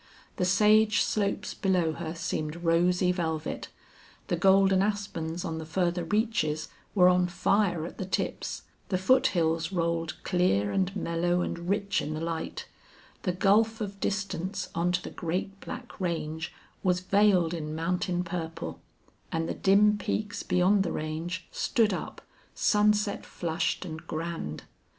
The sage slopes below her seemed rosy velvet; the golden aspens on the farther reaches were on fire at the tips; the foothills rolled clear and mellow and rich in the light; the gulf of distance on to the great black range was veiled in mountain purple; and the dim peaks beyond the range stood up, sunset flushed and grand.